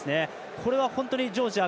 これは、本当にジョージア